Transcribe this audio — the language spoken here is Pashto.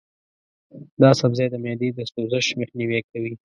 دا سبزی د معدې د سوزش مخنیوی کوي.